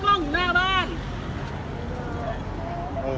ต้องมีกล้องอยู่หน้าบ้าน